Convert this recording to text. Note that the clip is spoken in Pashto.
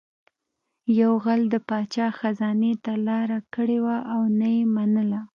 یو غل د پاچا خزانې ته لاره کړې وه او نه یې منله